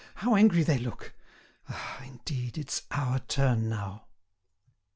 how angry they look! Ah, indeed, it's our turn now."